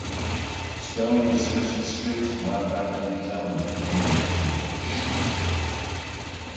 Stone researched the script while battling his own cocaine addiction.